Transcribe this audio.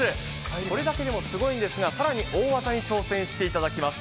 これだけでもすごいんですが、更に大技に挑戦していただきます。